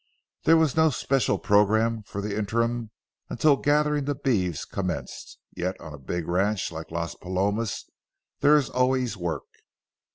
There was no special programme for the interim until gathering the beeves commenced, yet on a big ranch like Las Palomas there is always work.